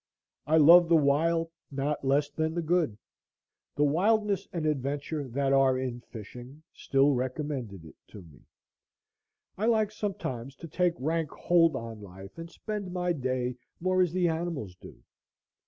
I love the wild not less than the good. The wildness and adventure that are in fishing still recommended it to me. I like sometimes to take rank hold on life and spend my day more as the animals do.